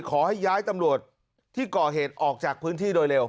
ขอให้ย้ายตำรวจที่ก่อเหตุออกจากพื้นที่โดยเร็ว